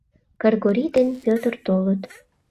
Кыргорий ден Пӧтыр толыт.